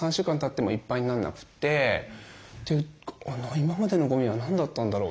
今までのゴミは何だったんだろう。